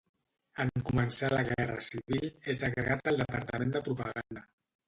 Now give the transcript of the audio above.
En començar la Guerra Civil, és agregat al departament de propaganda.